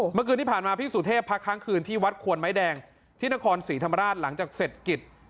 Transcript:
เมื่อคืนที่ผ่านมาพี่สุเทพพักค้างคืนที่วัดควนไม้แดงที่นครศรีธรรมราชหลังจากเสร็จกิจ